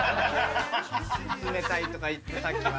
「冷たい」とか言ってさっきは。